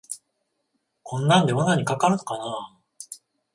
こんなんで罠にかかるのかなあ